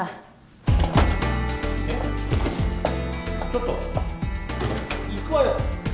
ちょっと「行くわよ」。